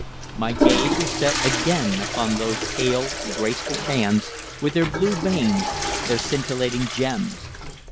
My gaze was set again upon those pale, graceful hands with their blue veins, their scintillating gems.